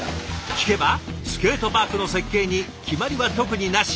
聞けばスケートパークの設計に決まりは特になし。